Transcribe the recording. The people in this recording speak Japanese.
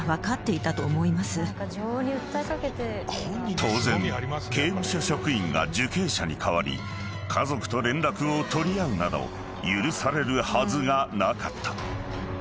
［当然刑務所職員が受刑者に代わり家族と連絡を取り合うなど許されるはずがなかった］